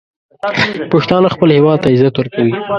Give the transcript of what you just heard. پښتانه خپل هیواد ته عزت ورکوي.